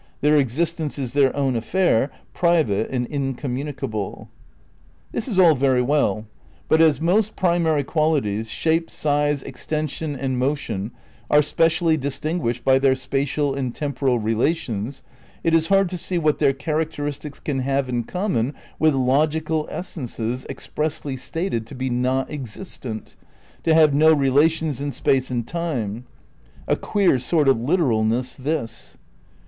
Their existence is their own affair, private and in communicable." ' This is all very well; hut as most primary qualities, shape, size, extension and motion, are specially dis tinguished by their spatial and temporal relations, it is hard to see what their characteristics can have in common with logical essences expressly stated to be not existent, to have no relations in space and time. A queer sort of literalness, this.